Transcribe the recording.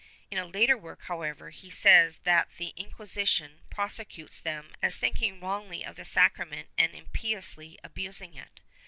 In a later work, however, he says that the Inquisition prosecutes them as thinking wrongly of the sacrament and impiously abusing it.'